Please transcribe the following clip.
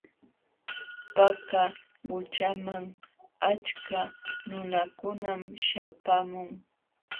Paka qućhaman achka nunakunam śhapaamun.